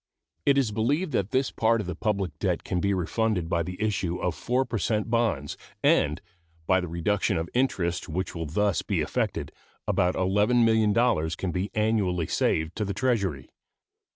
It is believed that this part of the public debt can be refunded by the issue of 4 per cent bonds, and, by the reduction of interest which will thus be effected, about $11,000,000 can be annually saved to the Treasury.